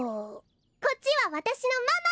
こっちはわたしのママ！